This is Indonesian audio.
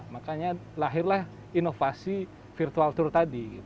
makanya lahirlah inovasi virtual tour tadi